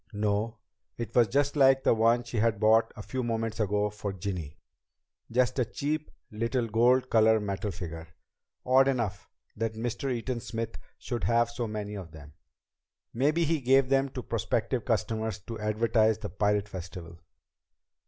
No, it was just like the one she had bought a few moments ago for Ginny just a cheap little gold colored metal figure. Odd, though, that Mr. Eaton Smith should have so many of them. Maybe he gave them to prospective customers to advertise the Pirate Festival.